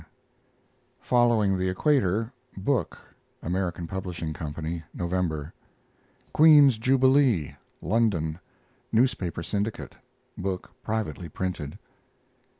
FOLLOWING THE EQUATOR book (Am. Pub. Co.), November. QUEEN'S JUBILEE (London), newspaper syndicate; book privately printed.